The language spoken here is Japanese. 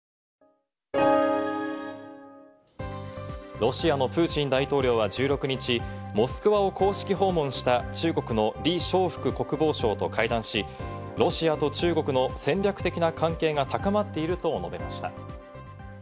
ロシアのプーチン大統領は１６日、モスクワを公式訪問した中国のリ・ショウフク国防相と会談し、ロシアと中国の戦略的な関係が高まっていると述べました。